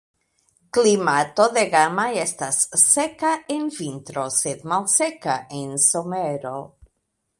Klimato de Gama estas seka en vintro, sed malseka en somero.